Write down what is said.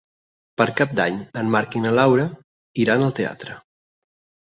Per Cap d'Any en Marc i na Laura iran al teatre.